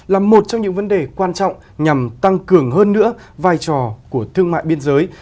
là một trong những vấn đề quan trọng nhằm tăng cường hơn nữa vai trò của thương mại biên giới